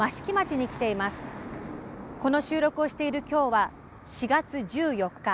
この収録をしている今日は４月１４日。